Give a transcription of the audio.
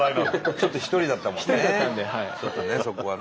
ちょっと一人だったもんね